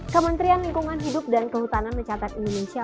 kementerian lingkungan hidup dan kehutanan mencatat indonesia